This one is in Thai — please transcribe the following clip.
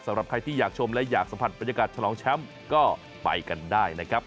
สำหรับใครที่อยากชมและอยากสัมผัสบรรยากาศฉลองแชมป์ก็ไปกันได้นะครับ